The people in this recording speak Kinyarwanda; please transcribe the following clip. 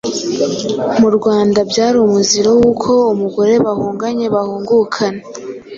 Mu Rwanda byari umuziro w'uko umugore bahunganye bahungukana;